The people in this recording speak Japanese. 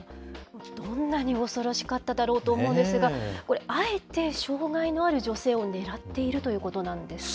どんなに恐ろしかったろうと思うんですが、これ、あえて障害のある女性を狙っているということなんですか？